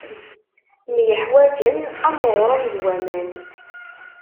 Myeḥwaǧen am uɣṛum d waman.